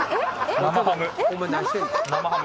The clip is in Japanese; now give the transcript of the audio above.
生ハム。